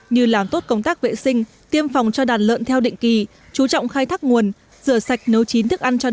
như làm tốt công tác vệ sinh tiêm phòng cho đàn lợn theo định kỳ chú trọng khai thác nguồn rửa sạch nấu chín thức ăn cho lợn